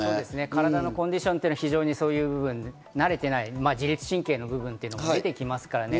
体のコンディションというのはそういう部分に慣れていない自律神経の部分も出てきますからね。